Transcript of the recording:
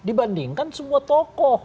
dibandingkan semua tokoh